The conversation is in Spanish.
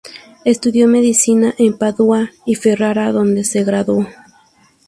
Estudió medicina en Padua y Ferrara donde se graduó.